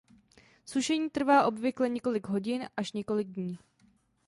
Sušení trvá obvykle několik hodin až několik dní.